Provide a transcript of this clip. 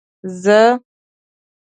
زه.